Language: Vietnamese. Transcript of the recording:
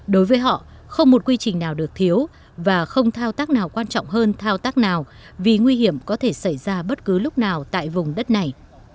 đối với họ không một quy trình nào được thiếu và không thao tác nào quan trọng hơn thao tác nào vì nguy hiểm có thể xảy ra bất cứ lúc nào tại vùng đất này